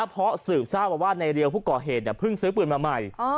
เพราะสืบทราบมาว่าในเรียวผู้ก่อเหตุเพิ่งซื้อปืนมาใหม่